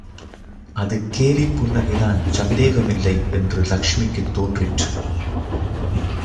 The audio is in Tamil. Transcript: அது கேலிப் புன்னகைதான் சந்தேகமில்லை என்று லக்ஷ்மிக்குத் தோன்றிற்று.